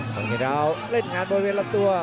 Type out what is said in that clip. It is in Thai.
มันเห็นแล้วเล่นงานบนเวียนรับตัว